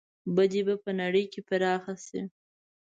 بدي به په نړۍ کې پراخه شي.